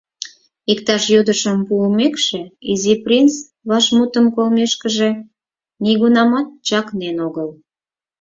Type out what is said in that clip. Иктаж йодышым пуымекше, Изи принц, вашмутым колмешкыже, нигунамат чакнен огыл.